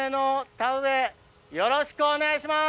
よろしくお願いします！